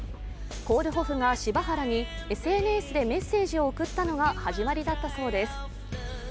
コールホフが柴原にＳＮＳでメッセージを送ったのが始まりだったそうです。